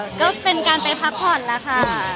ก็เป็นการไปพักผ่อนแล้วค่ะ